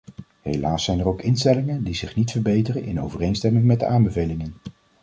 Helaas zijn er ook instellingen die zich niet verbeteren in overeenstemming met de aanbevelingen.